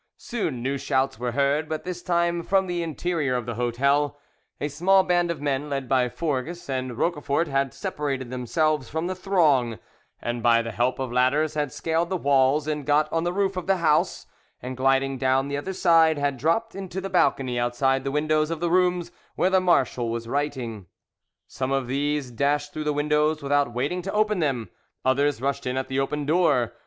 Soon new shouts were heard, but this time from the interior of the hotel; a small band of men led by Forges and Roquefort had separated themselves from the throng, and by the help of ladders had scaled the walls and got on the roof of the house, and, gliding down the other side, had dropped into the balcony outside the windows of the rooms where the marshal was writing. Some of these dashed through the windows without waiting to open them, others rushed in at the open door.